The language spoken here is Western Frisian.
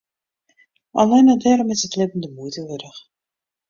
Allinne dêrom is it libben de muoite wurdich.